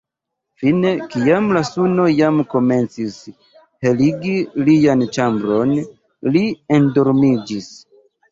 Fine, kiam la suno jam komencis heligi lian ĉambron li endormiĝis.